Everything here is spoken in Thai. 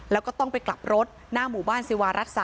แล้วก็ต้องไปกลับรถหน้าหมู่บ้านศิวารัฐ๓